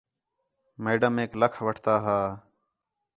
میڈمیک لَکھ وٹھتا ہا